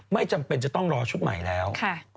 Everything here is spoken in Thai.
ไม่จำเป็นจะต้องรอชุดใหม่แล้ว